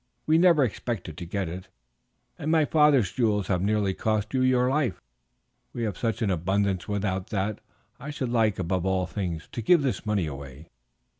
We never expected to get it, and my father's jewels have nearly cost you your life. We have such an abundance without that, I should like, above all things, to give this money away."